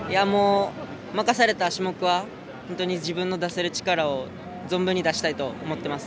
任された種目は自分の出せる力を存分に出したいと思っています。